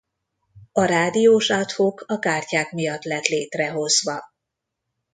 A rádiós ad hoc a kártyák miatt lett létrehozva.